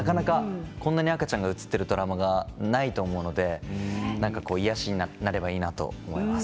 こんなに赤ちゃんが映っているドラマはなかなかないと思うので癒やしになればと思います。